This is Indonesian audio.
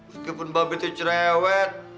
meskipun mabai tuh cerewet